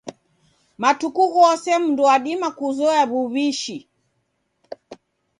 Matuku ghose mdu wadima kuzoya w'uw'ishi.